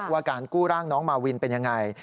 ว่าการกู้ร่างน้องมาวินเป็นยังไง